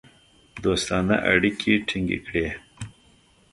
دوستانه اړیکې ټینګ کړې.